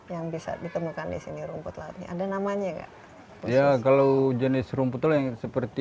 yang bisa ditemukan di sini rumput lainnya ada namanya enggak ya kalau jenis rumput lain seperti